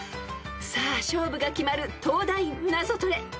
［さあ勝負が決まる東大ナゾトレ］